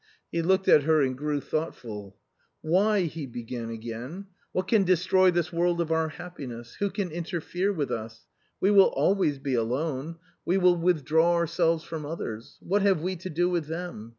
He looked at her and grew thoughtful. " Why ?" he began again, " what can destroy this world of our happiness ? Who can interfere with us ? We will always be alone, we will withdraw ourselves from others ; what have we to do with them